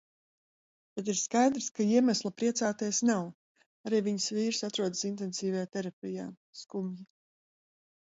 Bet ir skaidrs, ka iemesla priecāties nav. Arī viņas vīrs atrodas intensīvajā terapijā. Skumji.